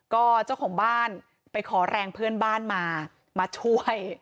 ก็เจ้าของบ้านไปขอแรงเพื่อนบ้านมามาช่วย